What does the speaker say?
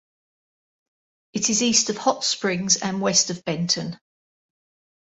It is east of Hot Springs and west of Benton.